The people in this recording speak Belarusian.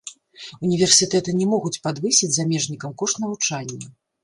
Універсітэты не могуць падвысіць замежнікам кошт навучання.